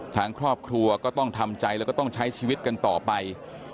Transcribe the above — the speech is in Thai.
ทางครอบครัวก็ต้องทำใจแล้วก็ต้องใช้ชีวิตกันต่อไป